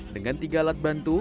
dengan tiga alat bantu